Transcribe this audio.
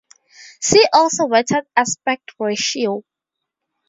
See also Wetted aspect ratio.